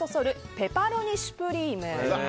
ペパロニ・シュプリーム。